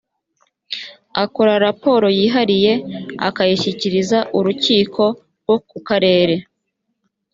akora raporo yihariye akayishyikiriza urukiko rwo ku karere